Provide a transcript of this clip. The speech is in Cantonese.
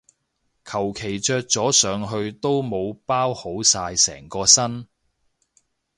求其着咗上去都冇包好晒成個身